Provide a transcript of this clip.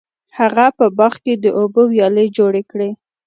هغه په باغ کې د اوبو ویالې جوړې کړې.